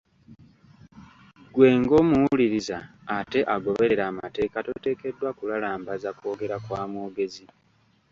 Ggwe ng’omuwuliriza ate agoberera amateeka toteekeddwa kulalambaza kwogera kwa mwogezi.